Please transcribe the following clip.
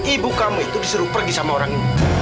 ibu kamu itu disuruh pergi sama orang ini